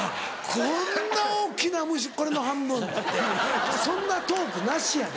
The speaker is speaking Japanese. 「こんな大きな虫これの半分」ってそんなトークなしやで。